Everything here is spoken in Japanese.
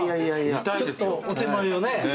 ちょっとお点前をね。